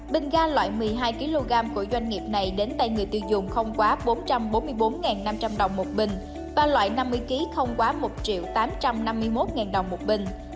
bình ga loại một mươi hai kg của doanh nghiệp này đến tay người tiêu dùng không quá bốn trăm bốn mươi bốn năm trăm linh đồng một bình ba loại năm mươi kg không quá một tám trăm năm mươi một đồng một bình